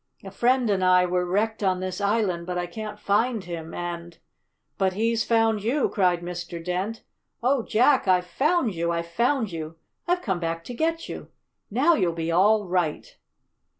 A friend and I were wrecked on this island, but I can't find him and " "But he's found you!" cried Mr. Dent. "Oh, Jack! I've found you! I've found you! I've come back to get you! Now you'll be all right!"